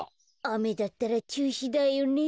あめだったらちゅうしだよね。